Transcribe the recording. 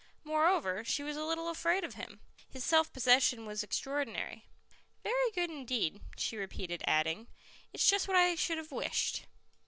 Moreover, she was a little afraid of him: his self possession was extraordinary. "Very good indeed," she repeated, adding: "It is just what I should have wished."